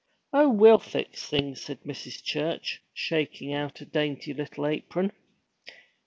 'Oh, we'll fix things,' said Mrs. Church, shaking out a dainty little apron.